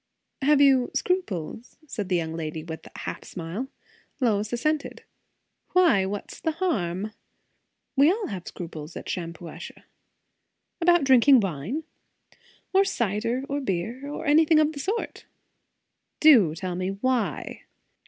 "Have you scruples?" said the young lady, with a half smile. Lois assented. "Why? what's the harm?" "We all have scruples at Shampuashuh." "About drinking wine?" "Or cider, or beer, or anything of the sort." "Do tell me why."